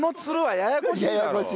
ややこしい。